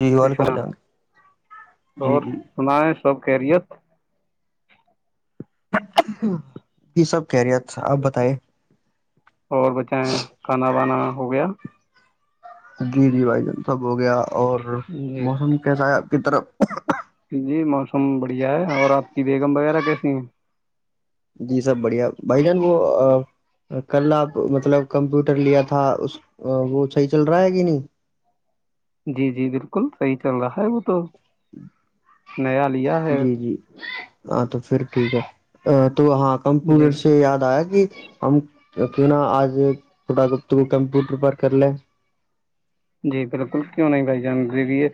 جی وعلیکم اشرا [inaudible] جی اور جی سنائیں سب کیریت یہ سب کہہریے آپ بتے اور بچہ کھانا وانا ہو گیا جی جی بھائی جان سب ہو گیا اور جی موسم کیسا کتھر [inaudible] جی موسم بڑھیا ہے اور آپ کی بیگم وغیرہ کیسی ہیں جی سب بڑھیا بھائی جان وہ کل آپ مطلب کمپیوٹر لیا تھا اس وہ صحیح چل رہا ہے کہ نہیں جی جی بالکل صحیح چل رہا ہے وہ تو نیا لیا ہے جی جی ہاں تو پھر ٹھیک ہے تو ہاں جی کمپٹر سے یاد آیا کہ ہم کیوں نا آج تھوڑات کمپیوٹر پر کر لے جی بالکل کیوں نہیں بھائی جان یہ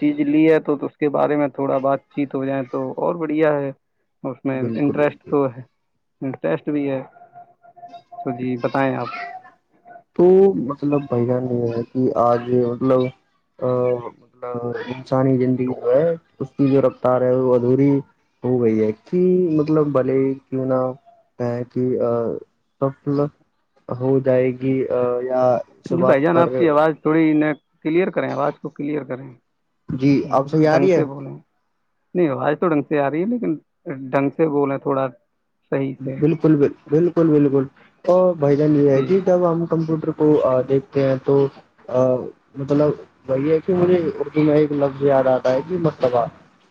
چیز لی ہے تو تو اس کے بارے میں تھوڑا بات چیت ہو جائےیں تو اور بڑھیا ہے اس میں بالکل انٹرسٹ بالکل تو ہے انٹرسٹ بھی ہے تو جی بتائیں آپ تو مطلب بھائی جان یہ ہے کہ آج مطلب ا انسانی زندگی جو ہے اس کی جو رفتار ہے وہ ادھوری ہو گئی ہے کہ مطلب بھلے کیوں نہ ہے کہ سفل ہو جائے گی [inaudible] جی بھائی جان آپ کی آواز تھوڑی ن کلیئر کریں آواز کو کلیئر کریں جی آپ صیح آ ڈھنگ رہی ہے سے بولیں نہیں آوج تو ڈھنگ سے آ رہی ہے لیکن ڈھنگ سے بولے تھوڑا صحیح سے بالکل ب بالکل بالکل اور بھائی جان یہ ہے جی کہ تب ہم کمپیوٹر کو دیکھتے ہیں تو مطلب وہی ہے کہ مجھے اردو میں ایک لفظ یاد آتا ہے کہ مرلبہ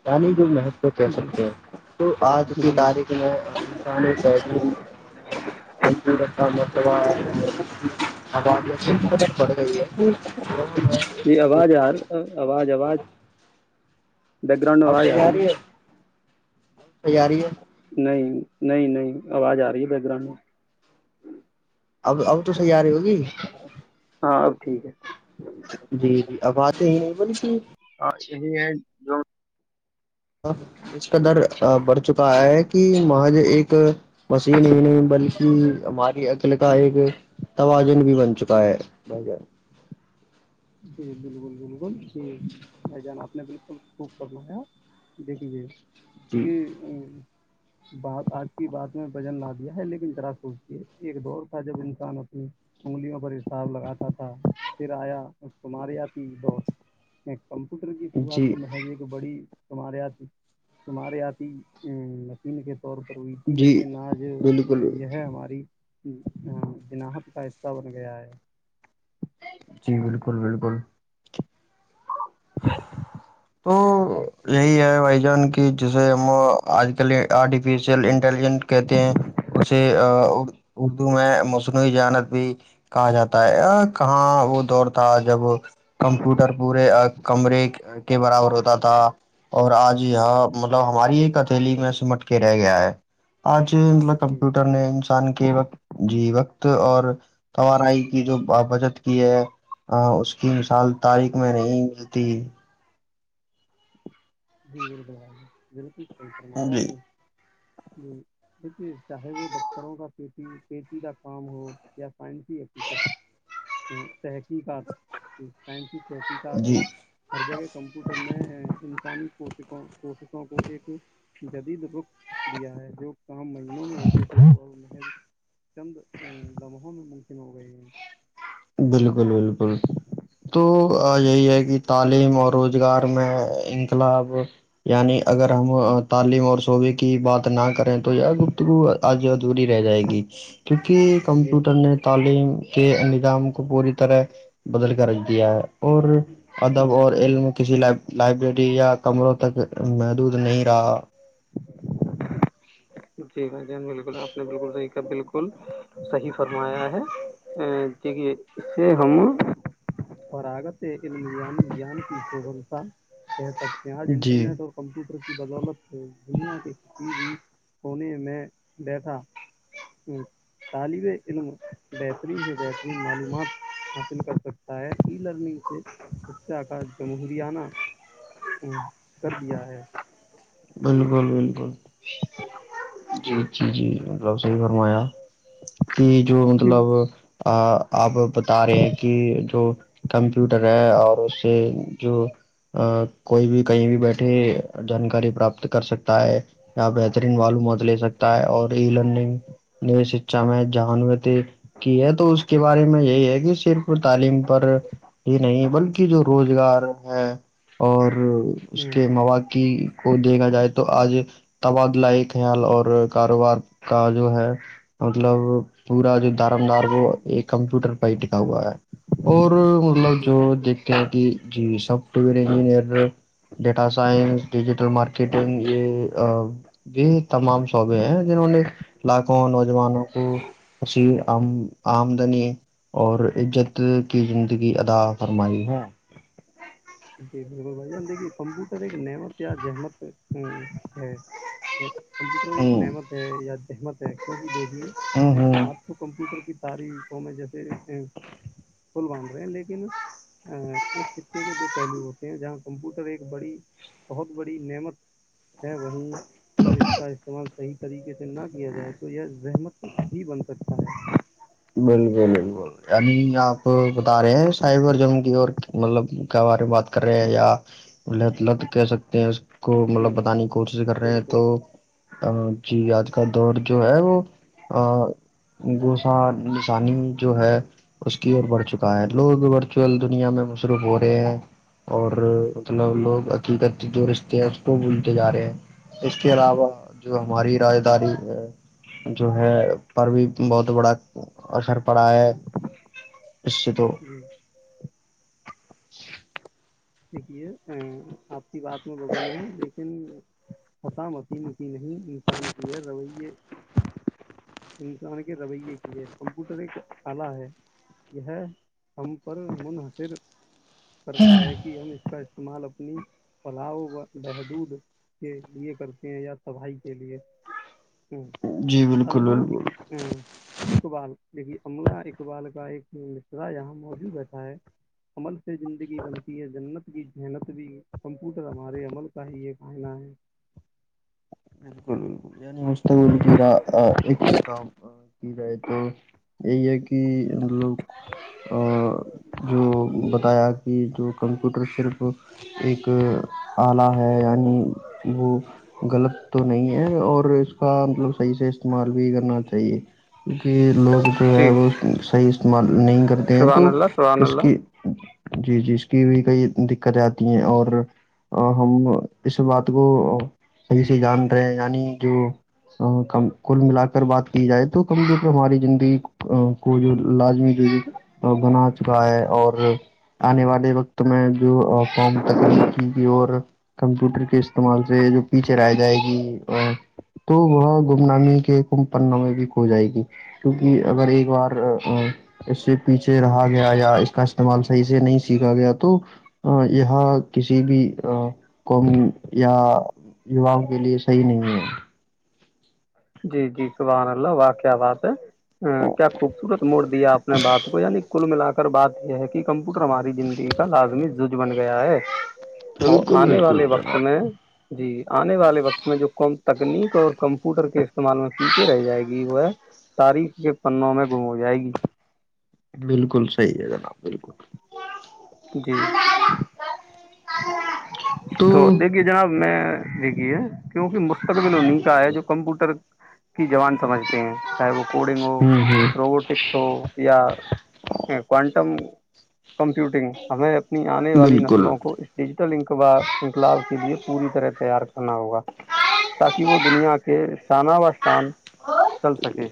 یعنی جو م کو کہہ جی سکتے ہیں تو آج کی جی تاریخ میں ک رت اتباد جی آوازار آواز آواز بیک گراؤنڈ میں آواز آ رہی ہے تیاری ہے نہیں نہیں نہیں آواز آ رہی ہے د گھر میں ا تسے آارے ہوگی ہاں اب ٹھیک ہے جی جی اب بات یہی نہیں بلی کہ یہی ہے جو ہ اس کا در بڑھ چکا ہے کہ مج ایک مسیین ہی نہیں بلکہ ہمارے ال کاائے گ توجن بھی بن چکا ہے جی بالکل بالکل ن ج نہیں جانا نے بالکل خوب فرمایا دیک دیجے جی ا بات آج کی بات میں وجن لا دیا ہے لیکن ذرا سوچتی ایک دور تھا جب انسان اپنی انگلیوں پر حساب لگاتا تھا پھر آیا تماریے آتی بہت کمپیوٹر کی شروعات جی تو محضی ایک بڑی تمہارے آتیھی تمہارے آتی ہی ا مشین ک طور پر ہوئی تھی جی لیکن آج بالکل یہ ہے ہماری ہاں جناحت کا حصہ بن گیا ہے بالکل بالکل تو جی یہی ہے بھائی جان کی کہ جسے ہم آج کل آرٹیفیشیل انٹیلیجنٹ کہتے ہیں اسے اردو میں مصنوعی جانت بھی کہا جاتا ہے کہاں وہ دور تھا جب کمپیوٹر پورے کمرے کے برابر ہوتا تھا اور آج یہ مطلب ہماری ہی اتھیلی میں سمٹ کے رہ گیا ہے آج مطلب جی کمپیوٹر بالکل نے انسان کے وقت جی وقت اور توارائی کی جو بچت کی ہے اس کی مثال تاریخ میں نہیں م تین جی ب ب بالکل صحی فرمایا جی آپ نے جی دیکھیے چاہے وہ دفتروں کا پ پیٹی کا کام ہو یا سائنسیفیسر تحقیقات سائنسی تحقیقات جی ہو ہر جگہ کمپیوٹر نے انسانی کوشوں کوششوں کو ایک جدید رخ دیا ہے جو تو ہم مہینوں میں ہوتے تھے س میں چند گماہوں میں ممکن ہو گئے ہیں بالکل بالکل تو یہی ہے کہ تعلیم اور روزگار میں انقلاب یعنی اگر ہم تعلیم اور شعبے کی بات نہ کریں تو یا گپتگو آج ادھوری رہ جائے گی کیونکہ جی کمپیوٹر نے تعلیم کے پوری طرح بدل کر رکھ دیا ہے اور ادب جی اور علم کسی ل لائبریری یا کمروں تک محدود نہیں رہا [inaudible] جی بھائی جی آپ بک ج بالکل صحیح فرمایا ہے کی اس سے ہم فاگتان کی سبتا کہہ سکتے ہیں آج جی انٹرنیٹ اور کمپیوٹر کی بدولت سے دنیا کے کسی بھی ہونے میں بیٹٹھا طالب علم بہترین سے بہترین معلومات حاصل کر سکتا ہے ای لرننگ اس آ کا م ہریانہ کر دیا ہے بالکل بالکل جی جی جی مطلب صحیح فرمایا کہ جو مطلب آپ بتا رہے ہیں کہ جو کمپیوٹر ہے اور اس سے جو کوئی بھی کہیں بھی بیٹھے پراپت کر سکتا ہے یا بہترین معلوم مت لے سکتا ہے اور ای لرننگ ن شکھا میں جہانومتی کی ہے تو اس کے بارے میں یہی ہے کہ صرف تعلیم پر یہ نہیں بلکہ جو روزگار ہے اور اس ہوں کے مواق کی کو دیکھا جائے تو آج تبادلائی خیال اور کاروبار کا جو ہے مطلب پورا جو دارم دار وہ ایک کمپیوٹر پ ہی دٹکھا ہوا ہے اور مطلب جی جو بالکل دیکھتے ہیں کہ جی سب س انجر ڈیٹا سائنس ڈ ل مارکیٹنگ یہ یہ تمام شعبے ہیں جنہوں نے لاکھوں نوجوانوں کو اسام آمدنی اور عزت کی زندگی ادا فرمائی ہے جی بالکل بھائی جان د کی کمپوٹر ایک نعمت یا جحمت ا ہے کمپیوٹر ایک ہ نعمت ہے یا جحمت ہے کیونکہ دیکھیے ہ ہ آپ تو کمپیوٹر کی ساری ف میں جیسے پول باندھ رہے ہیں لیکن ا ایک سکے کے دو پلو ہوتے ہیں جہاں کمپیوٹر ایک بڑی بہت بڑی نعمت ہے وہیں اگر اس کا استعمال صحیح طریقے سے نہ کیا جائے تو یہ زحمت بھی بن سکتا ہے بالکل بالکل یعنی آپ بتا رہے ہیں سائبر جنگ کی اور مطلب کیا بارے میں بات کر رہے ہیں یا لت لت کہہ سکتے ہیں کو مطلب جی بتانے کی کوشش کر رہے ہیں بالکل تو جی آج کا دور جو ہے وہ گ انسانی جو ہے اس کی اور بڑھ چکا ہے لوگ ورچول دنیا میں مصروف ہو رہے ہیں اور اتنا جی لوگ عقیق جو رشتے ہیں اس کو بولتے جا رہے ہیں اس کے علاوہ جو ہماری راجداری ہے جو ہے پر بھی بہت بڑا اور سار پڑا ہے اس سے تو [inaudible] جی سکے ا آپ کی بات میں بزن ہے لیکن خسا م وسیم کی نہیں انسان کی ہے رویے انسان کے رویے کی ہے کمپیوٹر ایک آلہ ہے یہ ہم پر منحصر کرتا ہے کا استعمال اپنی پلاؤ وحدود کے لیے کرتے ہیں یا صفائی کے لیے ہ جی بالکل علمہ بالکل ا ہ اقبال دیکھی عملہ اقبال کا ایک مترا یہاں موجود رہتا ہے عمل زندگی بن جنت کی جحنت بھی کمپیوٹر ہمارے عمل کا ہی یہ آہناہ ہے بالکل بالکل یعنی مگ کا کی بائے تو یہ ہے کہ مطلب جو بتایا کہ جو کمپیوٹر صرف [inaudible] غلط تو نہیں ہے اور اس کا مطلب صحیح سے استعمال بھی کرنا چاہیے کیونکہ لوگ جو ہے جی وہ صحیح استعمال نہیں کرتے ہیں سبحان تو اللہ سبحان اس اللہ کی جی جی اس کی بھی کئی دق کر جاتی ہیں اور ہم اس بات کو صی سے جان رہے ہیں یعنی جو ک کل ملا کر بات کی جائے تو کمزور پہ ہماری زندگی کو جو لازمی بھی بنا چکا ہے اور آنے والے وقت میں جو فم تکنیکی اور کمپیوٹر کے استعمال سے جو پیچھ جائے گی تو وہ گم نامی کے کمب پنے بھی کھو جائے گی کیونکہ اگر ایک بار اس سے پیچھے رہا گیا یا اس کا استعمال صحیح سے نہیں سیکھا گیا تو یہ کسی بھی قوم یا یوؤں کے لیے صحیح نہیں ہے جی جی صبحان اللہ واقع بات ہے ہ کیا خوبصورت موڑ دیا آپ نے بات کو یعنی کل ملا کر بات یہ ہے کہ کمپیوٹر ہماری زندگی کا لازمی جج بن گیا ہے وہ بالکل آنے بالکل والے وقت جناب میں جی آنے والے وقت میں جو کم تکنیک اور کمپیوٹر کے پیچھے رہ جائے گی وہ ہے تاریخ کے پنوں میں گم ہو جائے گی بالکل صحی ہے جناب بالکل جی تو دیکھیے جناب میں بییکی ہے کیونکہ مستقبل انہیں کا ہے جو کمپیوٹر کی جوان سمجھتے ہیں چاہے وہ کوڈنگ ہو ہ ہ روبوٹکس ہو یا اکوانٹم ہو کمپیوٹنگ ہمیں اپنی آنے والی نسلوں کو بالکل اس ڈیجیٹل انقلاب کے لیے پوری طرح تیار کرنا ہوگا تاکہ وہ دنیا سے [unintelligible] ہاں چل سکے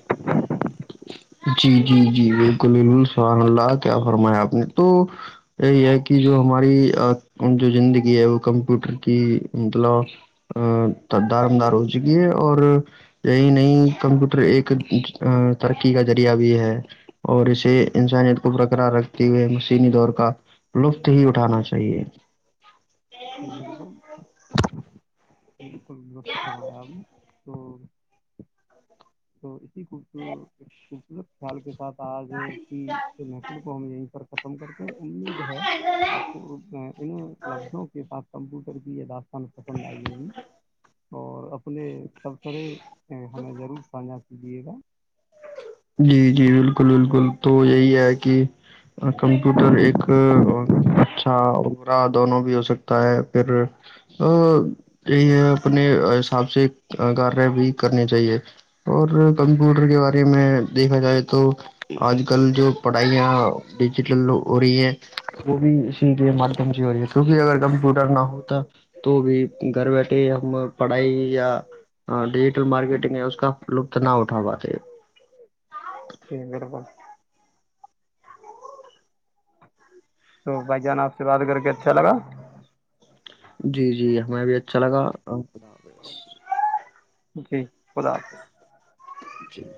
جی جی جی بالکل بالکل سبحان اللہ کیا فرمایا آپ نے تو یہی ہے کہ جو ہماری جو زندگی ہے وہ کمپیوٹر کی مطلب دارمدار ہو چکی ہے اور یہی نہیں کمپیوٹر ایکری تقی کا ذریعہ بھی ہے اور اسے انسانیت کو برقرار رکھتے ہوئے مسینی دور کا لطف ہی اٹھانا چاہیے [unintelligible] بالکل س آیا نے تو تو اسی خوبور خوبصورت خیال کے ساتھ [unintelligible] تج کی محقل کو ہم یہیں پر ختم کرتے ہیں امید ہے آپ کو ان لبظوں کمپیوٹر کی یہ داستان پسند آئی ہوگئی اور اپنے سبسرے ہمیں ضور سجا جبا [unintelligible] جی جی بالکل بالکل تو یہی ہے کہ کمپیوٹر ایک اچھا دونوں بھی ہو سکتا ہے پھر یہی ہے اپنے حساب سے کارر بھی کرنی چاہیے اور کمپیوٹر کے بارے میں دیکھا جائے تو آج کل جو پڑھائیاں ڈیجیٹل ہو رہی ہیں وہ بھی اسی کے مادھیم سے ہو رہی ہے کیونکہ اگر کمپیوٹر نہ ہوتا تو بھی گھر بیٹھے ہم پڑھائی یا ڈیجیٹل مارکیٹنگ اس کا لطت نہ اٹھا پاتے جی بالکل تو بھائی جان آپ سے بات کر کے اچھا لگا جی جی ہمیں بھی اچھا لگا الحمددلہ حافظ جی خدا حافظ جی [unintelligible]